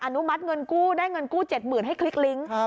อนุมัติเงินกู้ได้เงินกู้๗๐๐๐ให้คลิกลิ้ง